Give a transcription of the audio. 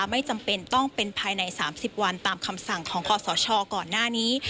ไม่จำเป็นต้องเป็นภายใน๓๐วันตามคำสั่งของคอสชก่อนหน้านี้